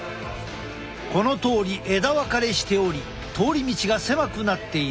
このとおり枝分かれしており通り道が狭くなっている。